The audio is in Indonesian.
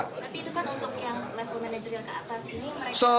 tapi itu kan untuk yang level manajerial ke atas ini